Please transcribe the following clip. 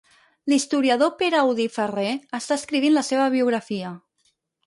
L'historiador Pere Audí Ferrer està escrivint la seva biografia.